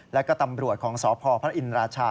แล้วก็ตำรวจของสพพระอินราชา